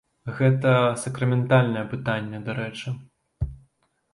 Гэта сакраментальнае пытанне, дарэчы.